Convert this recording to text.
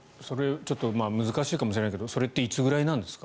難しいかもしれませんがそれっていつぐらいなんですか？